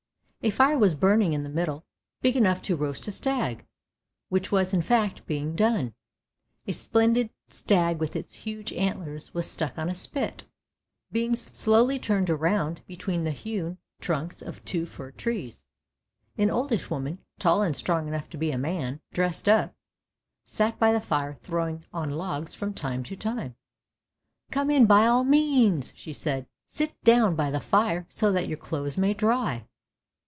A fire was burning in the middle, big enough to roast a stag, which was in fact being done ; a splendid stag with its huge antlers was stuck on a spit, being slowly turned round between the hewn trunks of two fir trees. An oldish woman, tall and strong enough to be a man dressed up, sat by the fire throwing on logs from time to time. " Come in by all means! " she said; " sit down by the fire so that your clothes may dry!